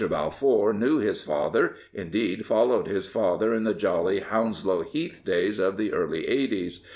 Balfour knew his father — indeed, followed his father in the jolly Hounslow Heath days of the early eighties.